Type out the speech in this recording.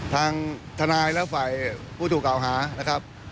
ทางทนายและฝ่ายผู้ถูกกล่าวหานะครับ